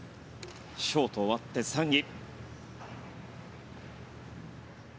ショート終わって３位。